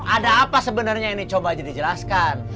ada apa sebenarnya ini coba aja dijelaskan